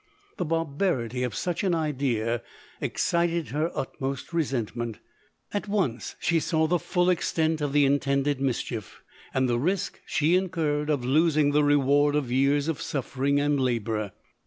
The barbarity of such an idea excited her utmost resentment. At once she saw the full ex tent of the intended mischief, and the risk she in curred of losing the reward of years of suffer ing and labour.